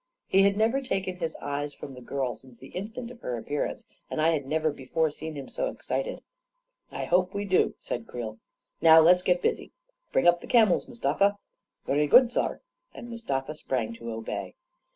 He had never taken his eyes from the girl since the instant of her appearance, and I had never be fore seen him so excited. 41 1 hope we do," said Creel. I4 Now let's get busy. Bring up the camels, Mustafa." 11 Vurry good, saar," and Mustafa sprang to obey.